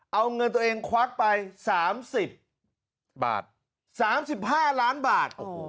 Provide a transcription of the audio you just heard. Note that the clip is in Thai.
เอาเงินตัวเองควักไป๓๐บาท๓๕ล้านบาท